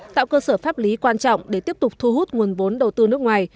tạo cơ sở pháp lý quan trọng để tiếp tục thu hút nguồn vốn đầu tư nước ngoài